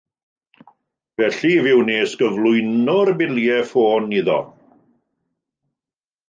Felly fe wnes gyflwyno'r biliau ffôn iddo